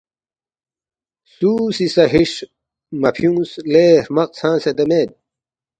سُو سی سہ ہِش مہ فیُونگس، ”لے ہرمق ژھنگسیدا مید؟“